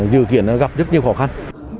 dự kiện gặp rất nhiều khó khăn